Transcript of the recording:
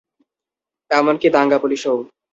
এমনকি দাঙ্গা পুলিশও।